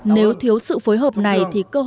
nếu thiếu sự phối hợp này